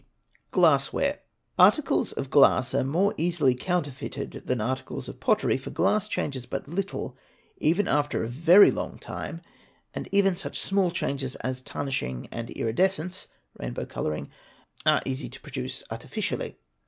Glassware. Articles of glass are more easily counterfeited than articles of pottery, for glass changes but little even after a very long time, and even such small changes as tarnishing and iridescence (rainbow colouring) are easy to produce artificially.